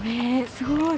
すごい。